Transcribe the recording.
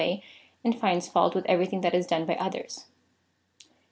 36'7 and finds fault with eveiything that is done by otliers.